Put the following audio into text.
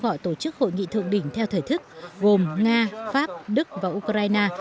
gọi tổ chức hội nghị thượng đỉnh theo thời thức gồm nga pháp đức và ukraine